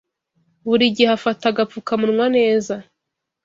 Buri gihe afata agapfukamunwa neza